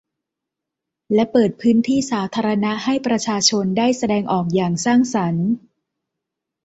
และเปิดพื้นที่สาธารณะให้ประชาชนได้แสดงออกอย่างสร้างสรรค์